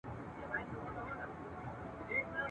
پوهه د ټولو لپاره د پرمختګ فرصتونه رامنځ ته کوي.